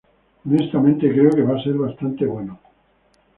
Honestamente creo que va a ser bastante bueno".